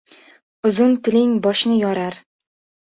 Uzun tiling – boshni yorar.